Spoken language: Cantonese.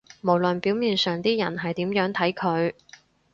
無論表面上啲人係點樣睇佢